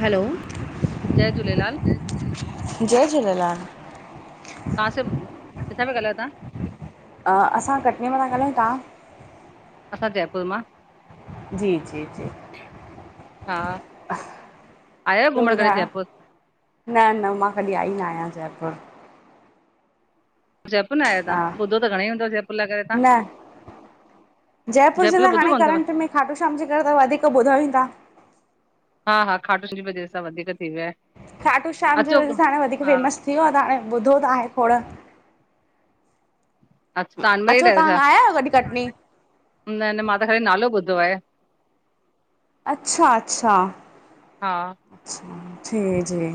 Hello. जय झूलेलाल। जय झूलेलाल। किथां प्या ॻाल्हायो तां? असां कटनीअ मां था ॻाल्हायूं, तहां? असां जयपुर मां। जी, जी, जी। हा। आयव ॿियो घुमण कॾह ॿुधायो जयपुर। न। न। मां कॾहिं आई न आहियां जयपुर। जयपुर न आहिया तव्हां? हा ॿुधो त घणई हुदो जयपुर लाइ करे तव्हां। न जयपुर जे जो लाइ ॿुधो हाणे कोन अथव करंट में खाटू शाम जे करे त वधीक ॿुधूं ई था। हा। हा। खाटूशाह जे सां वधीक थी वियो आहे। खाटू श्याम जे अचो वजह सा हाण। वधीक हा फेमस थी वियो आहे। त हाणे ॿुधो त आहे खोड़। अच्छा तव्हां अनमेरिड अचो आहियो छा तव्हां आया आहियो कॾहिं कटनी। न। न। मां त ख़ाली नालो ॿुधो आहे। अच्छा। अच्छा। हा अच्छा जी। जी।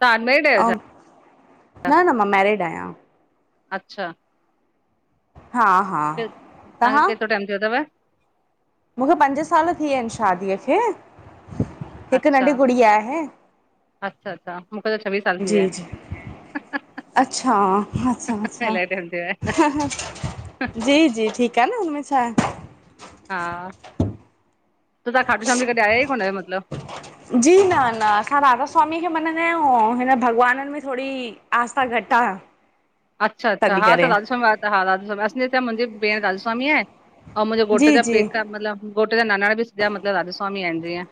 तव्‍हा अन मैरिड अहियाे ऐं छा न न मां मैरिड आहियां अच्छा? हा। हा। तव्हांखे तव्हां केतराे टाइम थियाे तव? मूंखे पंज साल थी विया आहिनि शादीअ खे हिकु अच्छा नंढी गुड़ीया आहे। अच्छा। अच्छा। मूंखे त छवीह साल थी, विया जी आहिनि। जी अच्छा। अच्छा, आहिनि अच्छा। इलाही टाइम थियो आहे जी, जी, ठीकु आहे न हुनमें छा? हा। त तां खाटू शाम जी कॾहिं आया ई कोन अयाे मतलब? जी। न, न। असां राधा स्वामी खे मञंदा आहियूं। हिन भॻवाननि में थोरी आस्था घटि आ। अच्छा। अच्छा। हा, त राधा स्‍वामी हा। राधा स्‍वामी असी त मुंहिंजी भेण राधा स्वामी आहे। ऐं मुंहिंजे घोटे जी जा जी पेका मतिलब गोट जा नानाणा, बि सिॼा मतलब राधा स्वामी आहिनि जीअं।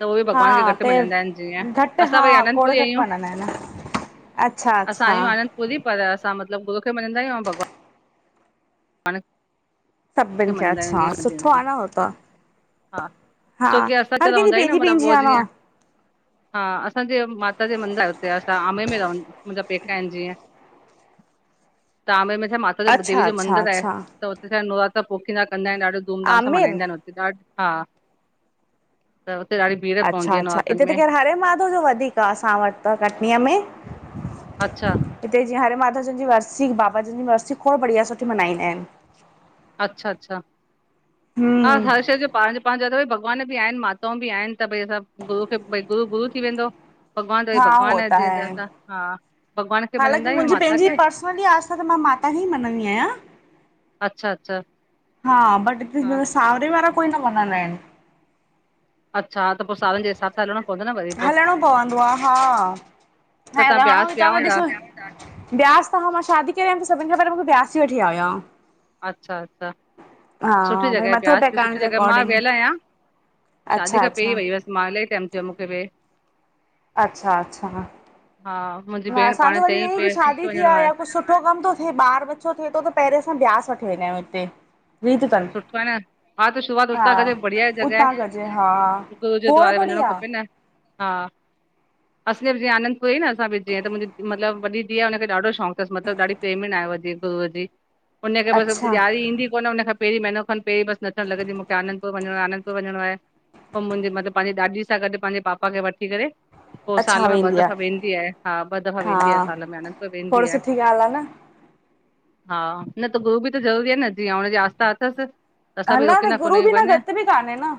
त उहे बि हा। भॻवान खे घटि त मञंदा आहिनि जीअं घट असां हा। वरी खोड़ आनंदपुरी घट आहियूं मञदा आहिन। अच्छा, अच्छा। पुरी पर असां मतिलबु गुर खे मञंदा आहियूं भॻवान। पाण, खे सभिनि खे मञंदा अच्छा [unintelligible] सुठो सां आहे न हो ता। [unintelligible] हा। छोकी असां त त कंहिंजी हदा ई पंहिंजी न मतलब पंहिंजी बोज आहे ईं। न [unintelligible] हा। असांजे माता जे मंदिर हुते असां आमेर में रहंदा। मुंहिंजा पेका आहिनि जीअं। त। ओमरे र्मे छा माता जो अच्छा देवी जो अच्छा मंदिर आहे। अच्छा त हुते जा नवरात्र पोखींदा कंदा आहिनि ॾाढाे दूम दाम सां आमिर मल्हाइंदा आहिनि हुत ॾा हा। त हुते डाढी अच्छा। अच्छा। हिते त खेरु हरे माधव जो वधीक आ। असां वटि त कटनीअ में। अच्छा। हिते जीअं हरेमाधव जन जी वरिसी बाबा जन जी वरिसी खोड़ बढ़िया सुठी मनाईंदाइन। अच्छा- अच्छा हा हम्म हर शेह जाे पंहिंजो पांजो त भॻवान बि आहिनि माताऊं बि आहिनि त भई असां गुरू खे भई गुरू गुरू थी वेंदो। भॻवान त भई हा भॻवानु आहे होता जीअं है। त असां हा भॻवान खे मञंदा आहियूं माता खे खाली आस्था त मां माता खे ई मञंदी आहियां। अच्छा- अच्छा। हा बट हिते हा त सावरे वारा कोई न मञंदा आहिनि। अच्छा त पाे सावरन जे हिसाब हलणाे पवंदाे न व हलणो पवंदो आ हा, त ऐं तव्हां रहणो ब्यास ई विया तव हूंदा ॾिसो, ब्यास त हा मां शादी करे आयमि त सभिनि खां पहिरियों मूंखे ब्यास ई वठी विया हुया। अच्छा -अच्छा हा सुठी भई जॻह मथो ब्यास बि टेकाइण सुठी जे जॻह मां अकॉर्डिंग वियल आहियां, अच्छा शादी खां अच्छा पहिरीं वई हुयसि मां इलाही टाइम थियो मूंखे वऐ, अच्छा -अच्छा। हा। मुंहिंजी हा, भेण पाण असांजो वरी चयईं हे कि पिए मूंखे शादी थी वञिणो आ आहे या कुछ सुठो कमु तो थे, ॿार बचो थे तो त पहिरे असां ब्यास वठी वेंदायूं हिते, रीत तनि सुठो आहे न हा त शुरूआत हा, हुतां कजे बढ़िया जॻह आहे उतां कजे हा, गुरू जे खोड़ द्वारे बड़ी वञणो आ खपे न हा, असां बि जिअं आनंदपुरी न असां बि जीअं त मुंहिंजी मतलब वॾी धीअ आ हुनखे ॾाढो शौंक़ तस मतलबु ॾाढी प्रेमिन आयो आ जिअं गुरूअ जी, हुनखे बसि अच्छा ॾियारी ईंदी कोन हुनखे पहिरीं महीनो खन पहिरीं बसि नचणु लॻंदी मूंखे आनंदपुर वञिणो आ आनंदपुर वञणो आहे, पो मुंहिंजे मतलबु पांजे ॾाॾी सां गॾु पांजे पापा खे वठी करे पो साल अच्छा में ॿ वेंदी दफ़ा वेंदी आहे, हा ॿ दफ़ा हा वेंदी आहे साल में आनंदपुर वें खोड़ सुठी ॻाल् आ न। हा, न त गुरू बि त ज़रूरी आ न जीअं हुनजी आस्था अथसि। त असां ह बि न त रोकींदा कोन गुरू आहियूं, बि न वञ घटि बि कान्हे न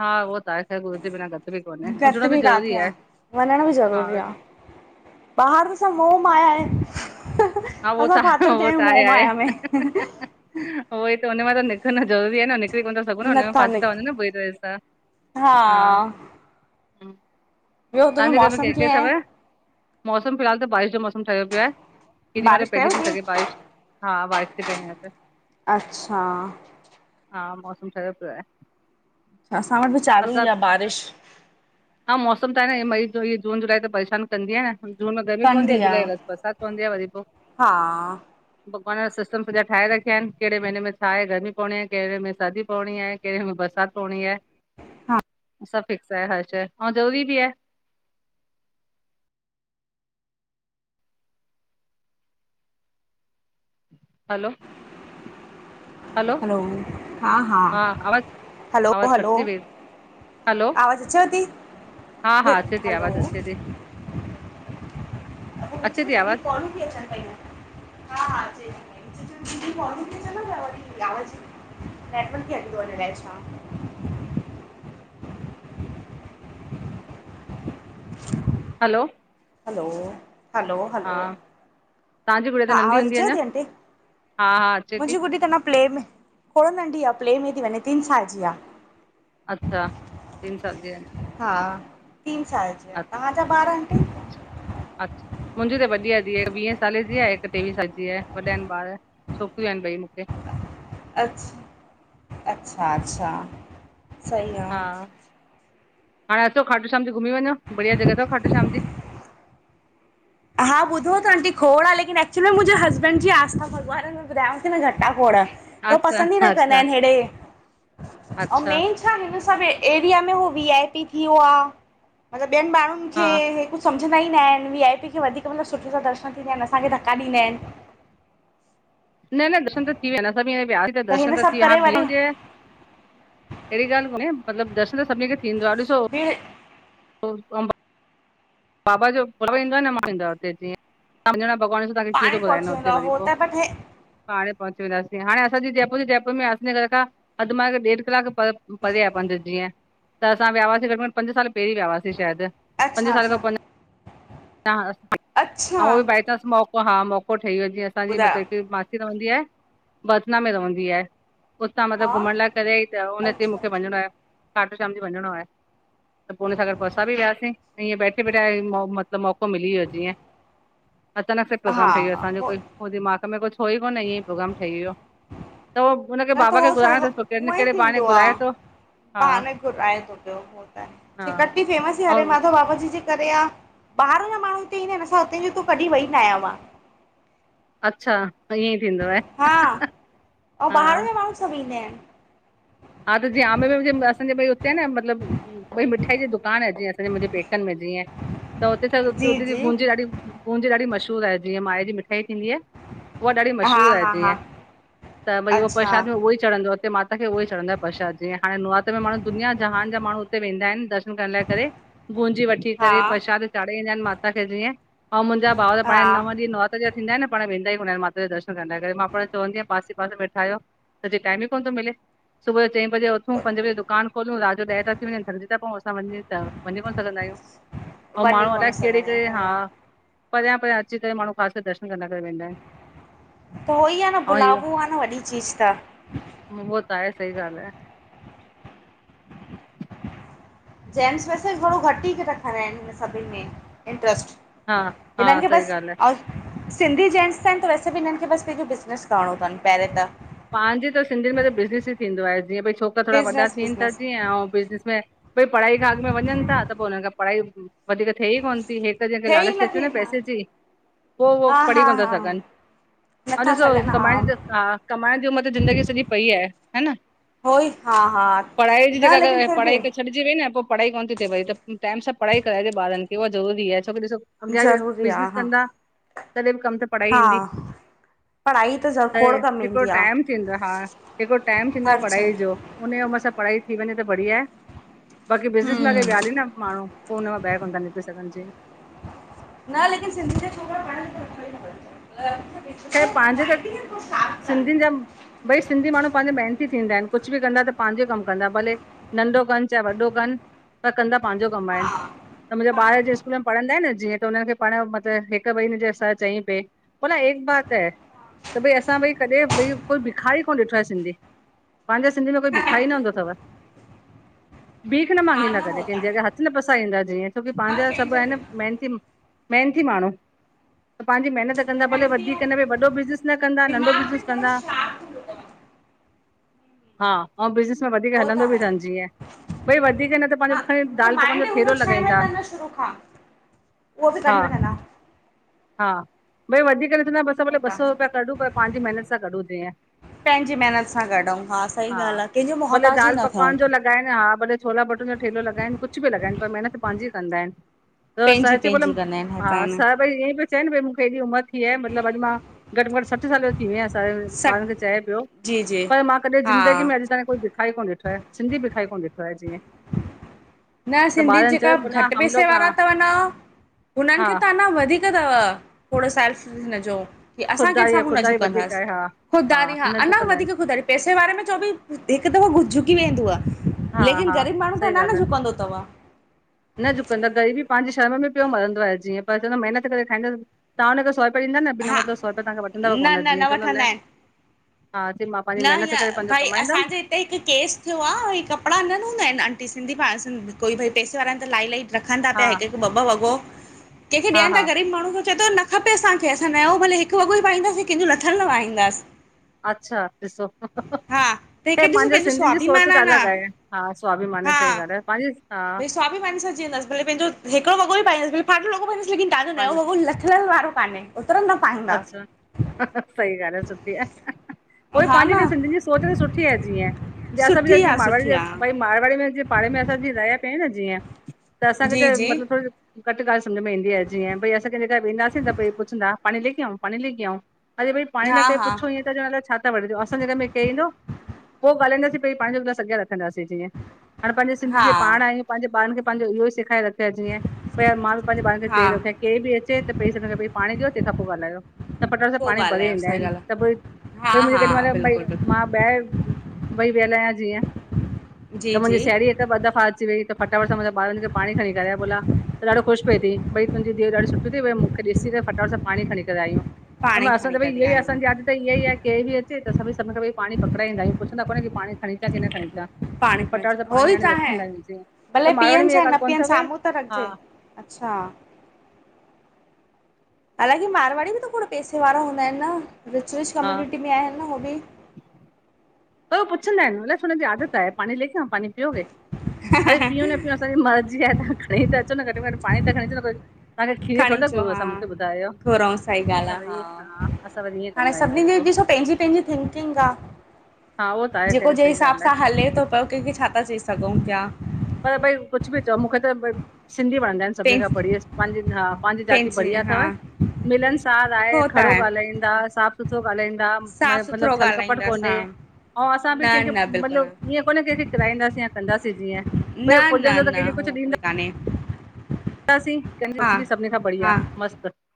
हा उहो त आहे। त गुरू जे बिना गत बि कोने हुजणो घटि बि ज़रूरी काथे आहे, वञण बि हा। ज़रूरी आहे ॿाहिरि त सब मोह माया आहे। हा उहो त असां फाथल थिया -उहो त आहियूं मोह आहे -आहे माया में उहोइ त हुन मां त निकिरन ज़रूरी आहे न निक निकरी कोन ता सघूं न हुनमें नथा फासी ता निक वञू न पूरी तरह सां, हा। हम्म। ॿियो तुंहिंजो तव्हांजे घर में मौसम केरु केरु कीअं तव? आहे मौसम फ़िलहाल त बारिश जो मौसम ठहियो पियो आहे, केॾी महिल बारिश पयव पइजी ती थी सघे बारिश, हा बारिश ती पए हिअंर त, अच्छा हा मौसम ठयो पियो आहे। असां वटि त चालू ई असां आ बारिश, हा मौसम त आहे न इय मई जो इय जून जुलाई त परेशान कंदी आ न। जून में गर्मी पवंदी आ, जुलाई अगस्त बरसाति पवंदी आ वरी पो, हा भॻवान सिस्टम सॼा ठाहे रखिया आहिनि, कहिड़े महीने में छा आहे गर्मी पवणी आये, कहिड़े में सर्दी पवणी आहे, कहिड़े में बरसाति पवड़ी आहे। हा। सब फिक्स आहे हर शइ अउं ज़रूरी बि आहे। हलो हलो- हा आवाज़ हलो -आवाज़ हलो कटजी वी। हलो, आवाज़ अचेव थी हा -हा अचे ती हलो आवाज़ अचे ती। विच अचे में ती छा ॿी आवाज़। कॉलूं हा हा [unintelligible] [inaudible] नटवली बैेच मां [unintelligible] अ [inaudible] हलो हलो हलो हा हलो तव्हांजी गुड़िया त हा नंढी आवाज़ हूंदी अचेव अञा थी आंटी? हा हा अचे थी मुंजी गुॾी त न प्ले में थोड़ो नंढी आह, प्ले में थी वञे टिन साल जी आ। अच्छा, तीन साल जी आ। हा, तीन साल जी आ, तव्हांजा ॿार आंटी? अ्च्, छा मुंजी त वॾी आ धी अ, हिकु वीहें साले जी आ, हिकु टेवीह साल जी आ, वॾा आहिन ॿार। छोकिरियूं आहिन ॿई मूंखे। अ्छा अच्छा- अच्छा, सही आ। हा, हाणे अचो खाटू श्याम जी घुमी वंञो बढ़िया जॻह थव खाटू श्याम जी। हा ॿुधो त आंटी खोड़ आ, लेकिन एक्चुअली मुंहिंजे हस्बैंड जी आस्था भगवान में ॿुधायांसि न घटा खोड़ त अच्छा पसंदि ई न कंदा अच्छा आहिन हेड़े, ऐं अच्छा मेन छा हिन सब एरिया में हू, वी आई पी थी वियो आ, मतिलबु ॿियनि माण्हुनि हा खे हे कुछ सम्झंदा ई न आहिनि, वी आई पी खे वधीक मतिलबु सुठे सां दर्शन थींदा आहिन, असांखे धक्का ॾींदा आहिन। न- न दर्शन त थी विया, सब वया, दर्शन हिन त सभु थी करे वरी वया अहिड़ी ॻाल्हि कोन्हे, मतलबु दर्शन त सभिनी खे थींदो आ, ॾिसो बि [unintelligible] बाबा जो पर्व ईंदो आ न, माण्हू ईंदो आहिन हुते जींअं भॻवान [inaudible] असांखे कीअं पाण ई थो ॿुधाइंदो पहुची वेंदो हुते आ वरी हो पो? त बट हे पाण पहुची वेंदा सीं, हाणे असांजी जयपुर जे जयपुर में असीं घर खां अधु मा ॾेढ कलाकु पर परे आ पंध जीअं त असां विया हुआसीं घट में घट पंज साल पहिरीं विया हुआसीं शायदि। पंज अच्छा साल खां अच्छा पंज ऐं अच्छा उन बि बाए चांस मौक़ो हा मौक़ो ठही वियो जीअं असांजी ॿुधायो मतिलब कि रहंदी आहे? वदना में रहंदी आहे। उतां हा मतलबु घुमण लाए कॾहिं त हुन चंयई अच्छा मूंखे वंञिणो अच्छा आहे। खाटू श्याम जी वञिणो आहे त पो हुन सां गॾु पो असां बि वियासीं, त ईअं बैठे बिठाए त मौक़ो मिली वियो जीअं, अचानक सां हा प्रोग्राम ठही वियो हा असांजो, कोई हो दिमाग़ में कुछु हो ई कोन, ईअं ई प्रोग्राम ठही वियो, त उ न त, हो हूअं ई थींदो आ, घुराए थो हा पाण घुराए थो प्यो उ हा त। कटनी फेमस ई हरे ऐं माधव बाबा जी जे करे आ, ॿाहिरां जा माण्हू हिते ईंदा आहिन असां हुते जा हूं त कॾी वेई न आयां मां। अच्छा! ईअं ई थींदो आहे। हा, अंउ ॿाहिर हा जा माण्हू सब ईंदा आहिन। हा त जिंअ आमेर में जे असांजे भई हुते आए न मतिलबु कोई मिठाई जी दुकान आहे जीअं असांजे मुंहिंजे पेकन में भेजणी [unintelligible] आए त हुते त हुते जी बूंदी ॾाढी, बूंदी ॾाढी मशहूरु आहे, जीअं माए जी मिठाई थींदी आ। उहा ॾाढी हा मशहूर आहे हा हा जीअं त भई उ अच्छा प्रसाद में उहो ई चढ़ंदो आ, हिते माता खे हो च़ंङदो आहे प्रशाद जीअं, हांणे नवरातन में माण्हू दुनिया जहान जा माण्हू हुते वेंदा आहिन द ॻाल्हाए करेे गूंजी वठी हा करे प्रशाद चाढ़ाई ईंदा आहिन माता खे जीअं, अंउ मुंहिंजा भाव त हा पाण नव ॾींहं नव जा थींन्दा आहिन न, पाण वेंदा ई कोन आइन माता दर्शन करण लाइ करे, मां पाण चवंदी आहियां पासे- पासे में वेठा आहियो। सॼे टाइम ई कोन थो मिले सुबु ॼो चईं बजे उथूं पंजे बजे दुकान खोलूं रात जो ॾहे था थी वञन थकॼि था पंयु। असां वञे त वञी कोन सघंदा आयूं ऐं वञी कोन माणूअलाए सघंदा आहियूं कैड़े-कैड़े हा। हीअं परयां-परयां अची करे माणू ख़ास करे दर्शन करंद करे वेंदा आयन। त उओई आ न बुलाबो आ न वॾी चीज़ त। उयो त आये सही ॻाल आये। जेम्स वैसे ॿि थोरो घट ई रखंदा आयन सभन में इंट्र्स्ट। हा हा हिनं खे सही ॻाल्हि बस आहे सिंधी जेंट्स आयन त वैस ॿि हिनन खे बस पैंजो बिज़नेस करणो थन पैरै त। पांजे त सिंधियन में त बिज़नेस ई थींदो आए जीअं भई छोकरा थोरा वॾा बिज़नेस थियन था बिज़नेस जीअं ऐं बिज़नस में। भई पढ़ाई खां अॻ में वञन था त पो हुनन खां पढ़ाई वधीक थेए ई कोन। थी हिक जेके थिए ई लालच थेती नथी न हा पैसे ॼी पो उयो हा पढ़ी हा कोन था हा सघन। ह नथा ॾिसो सघनि हा कमाइण ॼी हा कमाइण जी उमर त ज़िंदगी सॼी पई आये है ना? हो- ई हा-हा न लेकिन फिर ॿि पढ़ाई खे छॾिजी वई न पोइ पढ़ाई कोन थी थिए पई त टाइम सां पढ़ाई कराएजे ॿारन खे उहा ज़रूरी आए छोकी ॾिसो अॻयां ॿि ज़रूरी आ बिज़नस हा कंदा तॾे ॿि कम त हा पढ़ाई त ज़र खोड़ कर हिकड़ो टाइम थींदो हा हिकड़ो टाइम थींदो आ हर शइ पढ़ाई ॼो। हुने उमर सां पढ़ाई थी वञे त बढ़िया। बाक़ी बिज़नस में हम्म अॻे वियाली न माणू पो हुन मां ॿायर कोन था निकरी सघन ॼे। न लेकिन सिंधी [unintelligible] खैर पांजे त माइंड खे थोड़ो शार्प कनि सिंधिन ॼा भई सिंधी माणू पांजे मेहनती थींदा आयन कुझ ॿि कंदा त पैंजो कम कंदा भले नंढो कन चाये वॾो कन पर कंदा पांजो कम आयन। त मुंजा हा ॿार जें स्कूल में पढ़ंदा आयन जीअं त हुनन खे पढ़ण मतलब हिक ॿई हिनन जे सर चई पे बोला एक बात है त भई असां भई कॾे भई कोई बिखारी कोन ॾिठो आये सिंधी। पांजे सिंधी में कोई बिखारी न हूंदो थव। बीख न मांगींदा खाना कॾे होता कैंजे है अॻया हथ न पसाईंदा जीअं। छोकी न पांजा सॿ कंहिंजो आयन बि न मेहनती मेहनती माणू त पंहिंजी मेहनत। चयंदा भले मेहनती ऐं वधीक न भ वॾो बिज़नेस न कंदा नंढो दिमाग़ बि बिज़नेस थोड़ो कंदा। शार्प हूंदो तव हा ऐं बिज़नस में वधीक हो त हलंदो ॿि आहे थन जीअं भई वधीक न त पैंजो हा खणी हुनजो दाल पकवान जो माइंड थेलो हुन शइ में लॻाईंदा तनि शुरू खां उहो बि हा कढी वठंदा हो हा भई वधीक नथो न असां भले ॿ त सौ रुपया कढूं पर पांजी मेहनत सां कढूं थींएं। पैंजी मेहनत सां कढु हा सही ॻाल आ कैंजो मोहताजी न थियुं। लॻइन हा भले छोला भटू जो ठेलो लॻाइन कुझ ॿि लॻाइन पर मेहनत पांॼी कंदा आयन। त पंहिंजी सहित्य बोमल पंहिंजी कंदा आहिनि हर हा काइन सर ई ईअं पयो चए न भई मूंखे एॾी उमर थी आये मतलब अॼ मां घट में घट सठसाल ॼो थी वया सट ॿारन खे चए पयो जी जी पर मां कॾे हा ज़िंदगी में अॼ त कोई भिखाई कोन ॾिठो आ सिंधी भिखाई कोन ॾिठो आये जीअं। न त सिंधी ॿारनि चयो जेका भला घट हम पैसे लोग हा वारा थवञ हुनन हा खे त अञा वधीक वधीक थव थोरो सेल्फ हिनजो। की असां कंहिं ख़ुददारी आहे साम्हूं न ख़ुददारी वधीक झुकंदाासीं आहे हा खुदाारी हा न अञा झुकंदा आहिनि वधीक खुदाारी। पैसे वारे में छो ॿि हिक दफ़ो झुकी वेंदो आ हा लेकिन हा ग़रीब माणू त सही अञा न ॻाल्हि झुकंदो। तथव न झुकंदंद ग़रीबी पांजी शर्म में पयो मरंदो जीअं पर चयदो मेहनत करे खाईंदस तां हुनखे स कयिदा न बिना हा मतलब सौ रुपया तांखां वठनदव न कोन न जीअं चयदो वठंदा न। आहिनि न पंहिंजी महिनत करे हीअं पंहिंजो भई कमाईंदमि असांजे त हिकु केस थियो आ, ऐं कपिड़ा न हूंदा आहिनि आंटी सिंधी पाण कोई भई पैसे वारा आहिनि त लाईलाही रख ता हा प्या हिकु-हिकु ॿ-ॿ वॻो, कंहिंखे हा ॾियनि हा था ग़रीब माण्हू खे चए थो न खपे असांखे असां नयो भले हिकु वॻो ई पाईंदासीं कंहिंजो लथललु न पाईंदासीं। अच्छा ॾिसो। हा त हे हिकु ॾिसो पंहिंजे पंहिंजो सिंधियुनि जी सोच स्वाभिमान त आ न अलॻि आहे, हा स्वाभिमान सही ॻाल आ। [unintelligible] स्वाभाविक सा जींदस भले पंहिंजो हिकड़ो वॻो ॿि पाईंदस भले फाटल पंहिंजो वॻो पाईंदस [unintelligible] अच्छा सही ॻाल आ सुठी आ। उवई हा पंहिंजी न त सिंधियुनि जी सोच त सुठी आये जीअं, सुठी जी आ [unintelligible] सुठी आ मारवाड़ी में जिअं पाणे में असां जिय रहिया पि आहियूं न जीअं त असांखे जी त जी मतलबु थोर घटि ॻाल्हि सम्झ में ईंदी आ जींय भई असांं केजे घर वेंदा से त भई पहरे पुछंदा, पानीं लेके आऊं पानीं ले आऊं? अरे भई पाणी हा लाये पहरे हा पुछो ईय [unintelligible] अलाएं छा प्या वठजो असांजे घर में केरु ईंदो पो ॻालाईंदीं पेरि पाणी जो गीलास अॻियां रख दासीं जीअं हाणे पंहिंजे सिंधी हा जी पाण आहियूं पंहिंजे ॿार खे पंहिंजो इहो ई सेखारे रख त जीअं पई मांणु पंहिंजे ॿारनि खे हा चई रखे केर ॿि अचे त पेरि सबिन खां पेरि पाणी ॾियो तंहिंखां पोइ ॻाल्हायो। त फटाट सां पोइ पाणी भरे ॻाल्हायो ईंदा सही आहिनि, ॻाल्हि त पोइ आहे हा भई मुंहिंजे केॾी हा महिल भई बिल्कुलु बिल्कुलु मां ॿायर भई व्यंल आ जीअं, त जी मुंहिंजी जी साहेड़ी ॿ दफ़ा अची वई त फटाफट सां मुजा ॿारनि पाणी खणी कराएया बोला त ॾाढो ख़ुशि पीए थी, भई तुंहिंजी धीउ ॾाढी सुठी तई मूंखे ॾीसी करे फटाफट सां पाणी खणी करे आ आहियूं। त पाण ई मां असां खणी त भई करे इया आ असांजी आहियूं आदत त ईंय ई केर ॿि अचे त असा भई सभिननि खा पहरे पाणी पकड़ाईंदा आहियूं, पुछदा कोन आयू की पाणी खणीचां छा की न खणीचां। पाणी खणीचां, हो ई तो आहे जीअं त भले मारवाड़ी पीयन, में इहा छााहे न ॻाल्हि कोन पीयन थव साम्हूं त हा रखजे। अच्छा हालांकी मारवाड़ी ॿि त खोण पैसे वारा हूंदा ऐन न, रिच रिच हा कम्यूुनिटी में आहिनि न उहो ॿि। पर हू पुछंदा ऐन अलाऐ छों हुनजी आदत आहे, पानी लेके आऊ पानी पियोगे? अरे पियू न पियू असा जी मर्ज़ी आ, तव्हां खणी त अचो न घट में घट पाणी त खणी अचो तव्हांखे खीरु खणी थोर था अचो घुरूं हा असां मूंखे ॿुधायो, घुरऊं सही ॻाल्हि असां आहे वरी हा असां वरि हीय हाणे सभिनी जी ॾिसो पंहिंजी पंहिंजी थिंकिंग आ। हा उहो त आहे जेको ख़ैर जे सही हिसाब ॻाल्हि आहे सां हले तो केखें छा पयो कंहिंखे छा था चई सघूं प्या। पर भई कुझु ॿि चओ मूंखे त सिंधी वणंदा ऐन। सभिनी खां पंहिंजे बढ़िया हा पंहिंजी जाती पंहिंजे बढ़िया हा अथवं। मिलन सार आहे, हो त खड़ो ॻाल्हाईंदा, साफ़ सुथिरो ॻाल्हाईंदा साफ़ मतलबु सुथरो छल कपट ॻाल्हाईंदासीं कोने। हा अउ असां न ॿि कंहिंखे न बिल्कुलु मतलबु ईअं कोन्हे कंहिंखे किराईंदासीं या कंदासीं जीअं भई पुॼंदो त न-न-न कंहिंखे कुझु हू कोई कान्हे। हा [unintelligible] सभिनी खां बढ़िया हा मस्त।